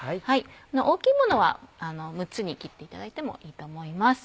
大きいものは６つに切っていただいてもいいと思います。